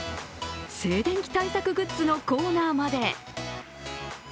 静電気対策グッズのコーナーまで。